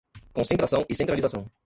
Concentração e centralização